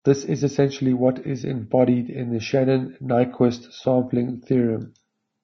This is essentially what is embodied in the Shannon-Nyquist sampling theorem.